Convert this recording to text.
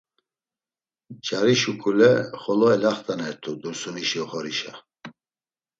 Cari şuǩule xolo elaxt̆anert̆u Dursunişi oxorişa.